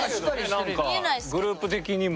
何かグループ的にも。